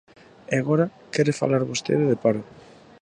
E agora quere falar vostede de paro.